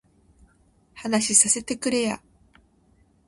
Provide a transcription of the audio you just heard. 話させてくれや